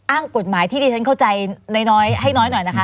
อ้างกฎหมายที่ที่ฉันเข้าใจน้อยให้น้อยหน่อยนะคะ